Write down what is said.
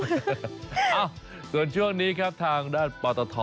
เอ้าส่วนช่วงนี้ครับทางด้านปตท